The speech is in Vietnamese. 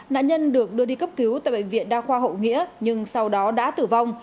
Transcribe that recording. nạn nhân được đưa đi cấp cứu tại bệnh viện đa khoa hậu nghĩa nhưng sau đó đã tử vong